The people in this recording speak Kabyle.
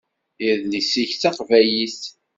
Idles-ik d taqbaylit.